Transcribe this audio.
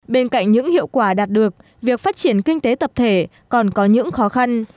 bên cạnh những hiệu quả đạt được việc phát triển kinh tế tập thể còn có những khó khăn